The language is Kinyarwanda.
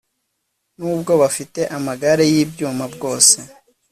n'ubwo bafite amagare y'ibyuma bwose